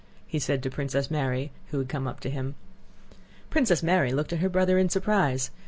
he said to Princess Mary, who had come up to him. Princess Mary looked at her brother in surprise.